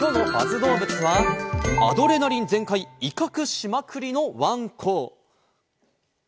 どうぶつは、アドレナリン全開、威嚇しまくりのワンコ。